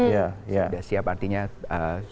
sudah siap artinya suaminya juga siap